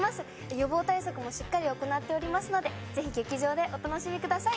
予防対策もしっかり行っておりますのでぜひ劇場でお楽しみください。